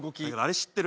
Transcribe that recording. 知ってる？